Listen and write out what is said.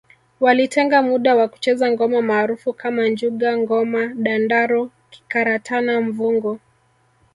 Walitenga muda wa kucheza ngoma maarufu kama njuga ngoma dandaro kikaratana mvungu